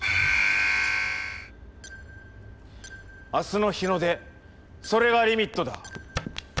明日の日の出それがリミットだ。